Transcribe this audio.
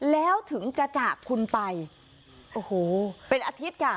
แล้วถึงจะจากคุณไปโอ้โหเป็นอาทิตย์ค่ะ